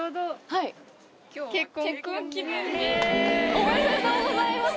おめでとうございます！